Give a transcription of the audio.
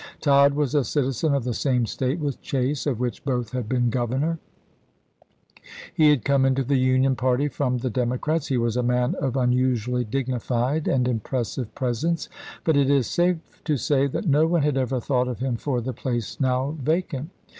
Tod was a citizen of the same State with Chase, of which both had been governor ; he had come into the Union party from the Democrats ; he was a man of un usually dignified and impressive presence; but it is safe to say that no one had ever thought of him for the place now vacant.